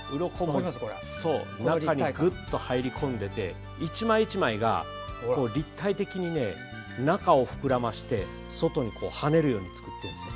中にぐっと入り込んでいて１枚１枚が立体的に中を膨らませて外にはねるように作ってるんです。